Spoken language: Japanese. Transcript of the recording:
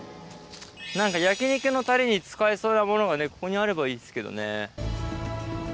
なんか焼き肉のたれに使えそうなものがね、ここにあればいいっすけどね。